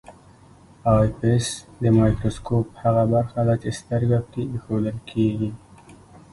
آی پیس د مایکروسکوپ هغه برخه ده چې سترګه پرې ایښودل کیږي.